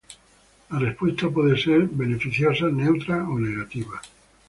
La respuesta puede ser beneficiosa, neutra o negativa.